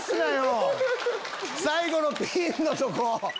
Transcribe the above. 最後のピン！のとこ。